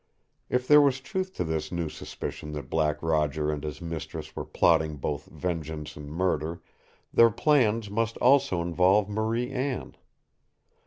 If there was truth to this new suspicion that Black Roger and his mistress were plotting both vengeance and murder, their plans must also involve Marie Anne.